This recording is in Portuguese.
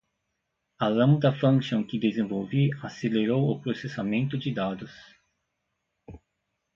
A Lambda Function que desenvolvi acelerou o processamento de dados.